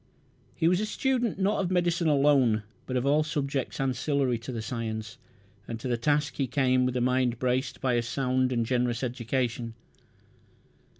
He was a student, not of medicine alone, but of all subjects ancillary to the science, and to the task he came with a mind braced by a sound and generous education.